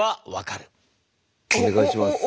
お願いします。